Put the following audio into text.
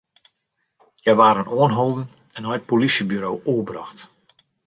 Hja waarden oanholden en nei it polysjeburo oerbrocht.